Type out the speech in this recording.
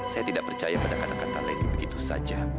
saya tidak percaya pada kata kata lain begitu saja